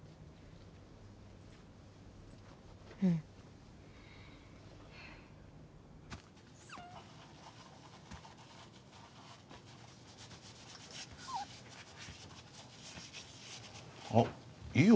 うんあっいいよ